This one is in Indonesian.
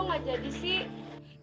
kok nggak jadi sih